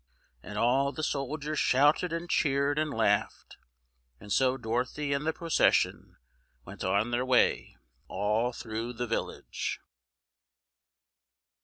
and all the soldiers shouted and cheered and laughed, and so Dorothy and the procession went on their way all through the village.